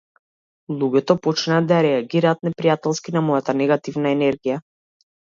Луѓето почнаа да реагираат непријателски на мојата негативна енергија.